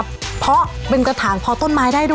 เสื้อเพื่อเป็นกระถางเพ้าต้นไม้